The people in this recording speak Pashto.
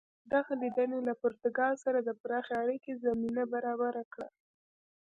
دغې لیدنې له پرتګال سره د پراخې اړیکې زمینه برابره کړه.